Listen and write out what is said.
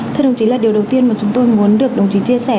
thưa đồng chí là điều đầu tiên mà chúng tôi muốn được đồng chí chia sẻ